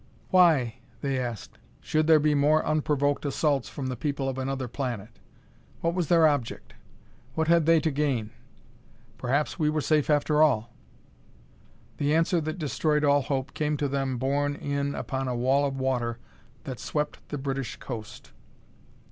"Why," they asked, "should there be more unprovoked assaults from the people of another planet? What was their object? What had they to gain? ... Perhaps we were safe after all." The answer that destroyed all hope came to them borne in upon a wall of water that swept the British coast.